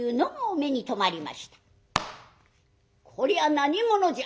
「こりゃ何者じゃ？」。